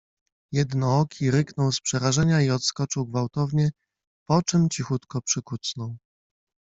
Jednooki ryknął z przerażenia i odskoczył gwałtownie, po czym cichutko przykucnął